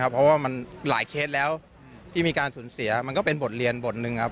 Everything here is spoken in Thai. เพราะว่ามันหลายเคสแล้วที่มีการสูญเสียมันก็เป็นบทเรียนบทหนึ่งครับ